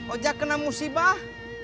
ojak kena musibah